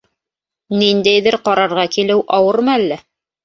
Ниндәйҙер ҡарарға килеү ауырмы әллә?